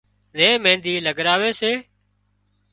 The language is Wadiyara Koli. زي مينۮِي لڳراوي سي